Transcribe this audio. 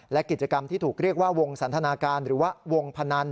และกิจกรรมที่ถูกเรียกว่าวงสันทนาการหรือว่าวงพนัน